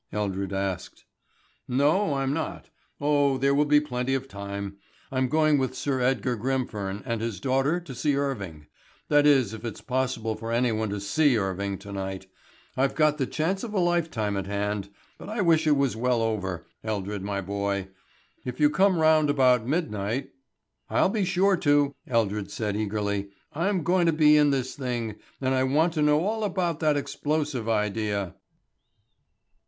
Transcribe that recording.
Eldred asked. "No, I'm not. Oh, there will be plenty of time. I'm going with Sir Edgar Grimfern, and his daughter to see Irving, that is if it is possible for anyone to see Irving to night. I've got the chance of a lifetime at hand, but I wish that it was well over, Eldred my boy. If you come round about midnight " "I'll be sure to," Eldred said eagerly. "I'm going to be in this thing. And I want to know all about that explosive idea."